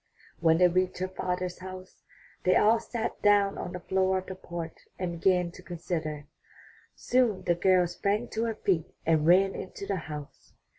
When they reached her father's house, they all sat down on the floor of the porch and began to consider. Soon the girl sprang to her feet and ran into the house.